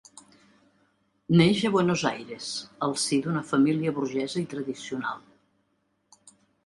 Neix a Buenos Aires al si d'una família burgesa i tradicional.